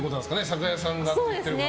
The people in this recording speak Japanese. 酒屋さんがって言ってるから。